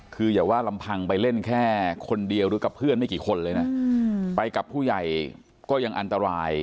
คืออย่าว่าลำพังไปเล่นแค่คนเดียวหรือกับเพื่อนไม่กี่คนเลยนะไปกับผู้ใหญ่ก็ยังอันตราย